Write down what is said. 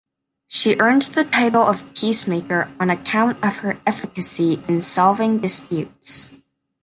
She earned the title of "Peacemaker" on account of her efficacy in solving disputes.